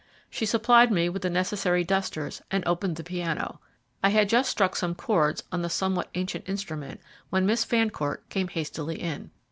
She supplied me with the necessary dusters, and opened the piano. I had just struck some chords on the somewhat ancient instrument, when Miss Fancourt came hastily in.